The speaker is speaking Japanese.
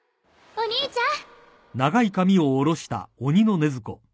お兄ちゃん！